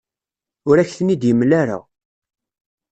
Ur ak-ten-id-yemla ara.